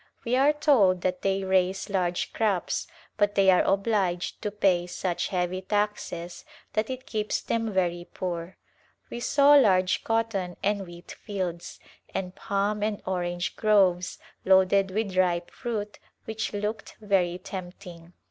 We are told that they raise large crops but they are obliged to pay such heavy taxes that it keeps them very poor. We saw large cotton and wheat fields, and palm and orange groves loaded with ripe fruit which looked very tempting.